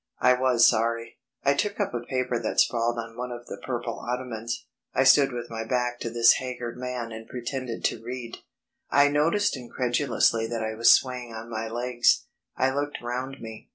I was sorry. I took up a paper that sprawled on one of the purple ottomans. I stood with my back to this haggard man and pretended to read. I noticed incredulously that I was swaying on my legs. I looked round me.